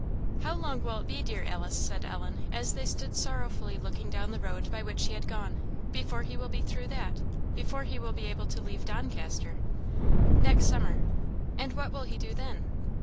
"How long will it be, dear Alice," said Ellen, as they stood sorrowfully looking down the road by which he had gone, "before he will be through that before he will be able to leave Doncaster?" "Next summer." "And what will he do then?"